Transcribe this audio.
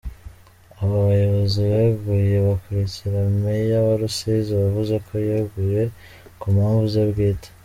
Aba bayobozi beguye bakurikira Meya wa Rusizi wavuze ko yeguye ku mpamvu ze bwite.